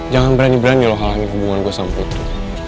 jangan berani berani loh halangin hubungan gue sama putri